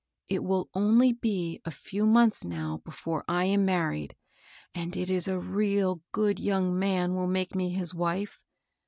*'It will only be a few months now before I am married, and it is a real good young man will make me his wife.